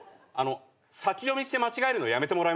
先読みして間違えるのやめてもらえます？